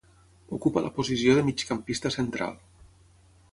Ocupa la posició de migcampista central.